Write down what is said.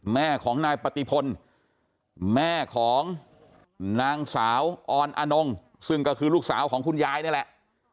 แม่ของนายปฏิพลแม่ของนางสาวออนอนงซึ่งก็คือลูกสาวของคุณยายนี่แหละ